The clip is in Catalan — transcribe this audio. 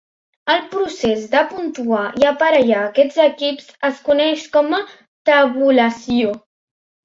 El procés de puntuar i aparellar aquests equips es coneix com a "tabulació".